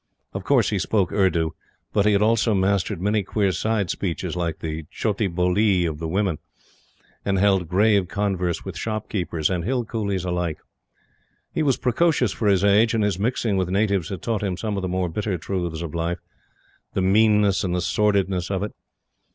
Of course, he spoke Urdu, but he had also mastered many queer side speeches like the chotee bolee of the women, and held grave converse with shopkeepers and Hill coolies alike. He was precocious for his age, and his mixing with natives had taught him some of the more bitter truths of life; the meanness and the sordidness of it.